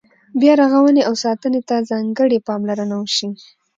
بیا رغونې او ساتنې ته ځانګړې پاملرنه وشي.